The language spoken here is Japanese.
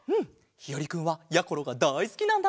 ひよりくんはやころがだいすきなんだって！